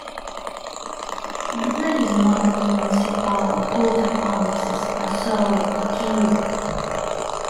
The blazon of the municipal coat of arms is Azure, a Key Or.